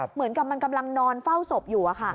เหมือนกับมันกำลังนอนเฝ้าศพอยู่